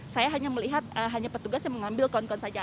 saya hanya melihat hanya petugas yang mengambil kon saja